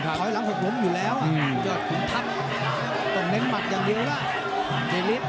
ต่อยหลังหกหลมอยู่แล้วจอดขุมทัพต้องเน้นมัดอย่างเดียวล่ะ